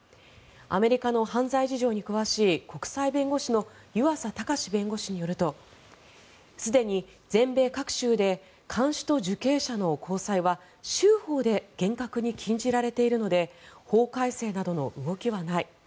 アメリカの犯罪事情に詳しい国際弁護士の湯浅卓弁護士によりますとすでに全米各州で看守と受刑者の交際は州法で厳格に禁じられているので法改正などの動きはない。